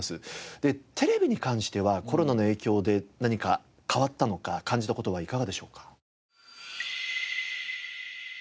テレビに関してはコロナの影響で何か変わったのか感じた事はいかがでしょうか？